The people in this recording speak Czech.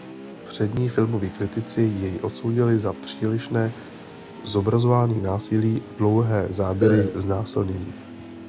Přední filmoví kritici jej odsoudili za přílišné zobrazování násilí a dlouhé záběry znásilnění.